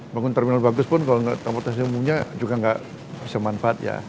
bangun terminal bagus pun kalau transportasi umumnya juga nggak bisa manfaat ya